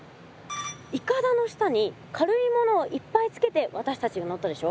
いかだの下に軽いものをいっぱいつけて私たちが乗ったでしょ。